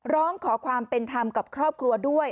ร้องขอความเป็นธรรมกับครอบครัวด้วย